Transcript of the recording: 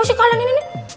apa sih kalahnya ini